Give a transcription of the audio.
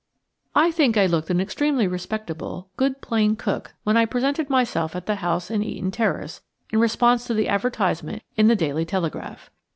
5 I THINK I looked an extremely respectable, good plain cook when I presented myself at the house in Eaton Terrace in response to the advertisement in the "Daily Telegraph."